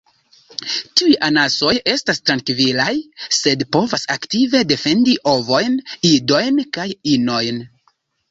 Tiuj anasoj estas trankvilaj, sed povas aktive defendi ovojn, idojn kaj inojn.